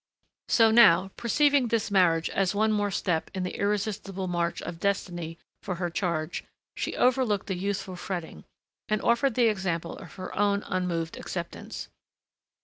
So now, perceiving this marriage as one more step in the irresistible march of destiny for her charge, she overlooked the youthful fretting and offered the example of her own unmoved acceptance.